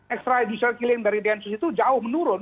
extra judicial killing dari gensus itu jauh menurun